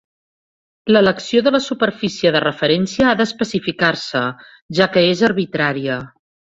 L'elecció de la superfície de referència ha d'especificar-se, ja que és arbitrària.